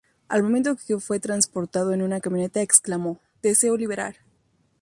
Al momento que fue transportado en una camioneta, exclamó "deseo liberar".